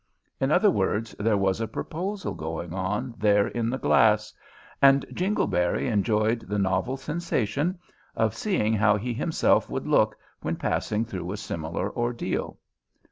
In other words, there was a proposal going on there in the glass, and Jingleberry enjoyed the novel sensation of seeing how he himself would look when passing through a similar ordeal.